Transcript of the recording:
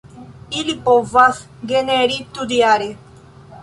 Ili povas generi tutjare.